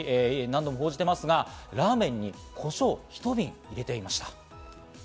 何度も報じていますが、ラーメンにコショウ１瓶、入れていました。